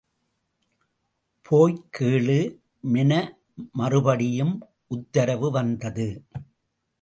போய்க் கேளு மென மறுபடியும் உத்தரவு வந்தது.